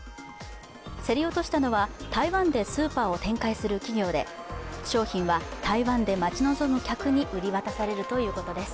競り落としたのは台湾でスーパーを展開する企業で商品は台湾で待ち望む客に売り渡されるということです。